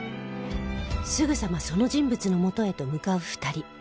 すぐさまその人物の元へと向かう２人